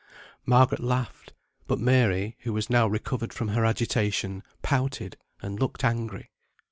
Margaret laughed, but Mary, who was now recovered from her agitation, pouted, and looked angry.